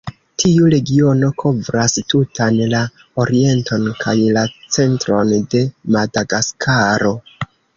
Tiu regiono kovras tutan la orienton kaj la centron de Madagaskaro.